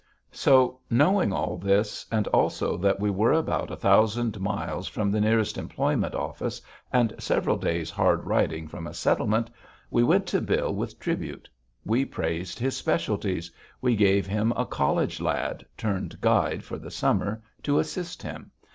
So, knowing all this, and also that we were about a thousand miles from the nearest employment office and several days' hard riding from a settlement, we went to Bill with tribute. We praised his specialties. We gave him a college lad, turned guide for the summer, to assist him.